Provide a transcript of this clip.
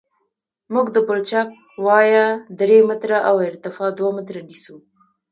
موږ د پلچک وایه درې متره او ارتفاع دوه متره نیسو